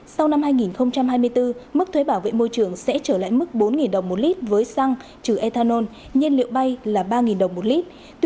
sau năm hai nghìn hai mươi bốn mức thuế bảo vệ môi trường sẽ trở lại mức bốn đồng một lít với xăng trừ ethanol nhiên liệu bay là ba đồng một lít